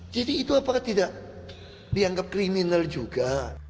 jadi itu apakah tidak dianggap kriminal juga